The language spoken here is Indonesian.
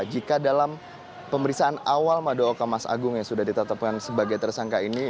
jika dalam pemerisaan awal madaoka mas agung yang sudah ditetapkan sebagai tersangka ini